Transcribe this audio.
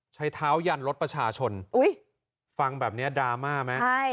ใช้เท้ายันรถประชาชนอุ้ยฟังแบบนี้ดราม่าไหมใช่